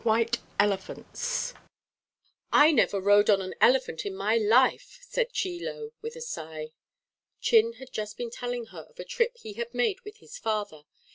WHITE ELEPHANTS "I NEVER rode on an elephant in my life," said Chie Lo with a sigh. Chin had just been telling her of a trip he had made with his father.